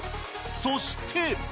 そして。